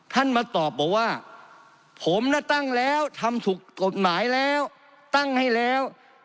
มาตอบบอกว่าผมน่ะตั้งแล้วทำถูกกฎหมายแล้วตั้งให้แล้ว